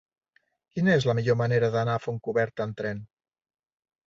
Quina és la millor manera d'anar a Fontcoberta amb tren?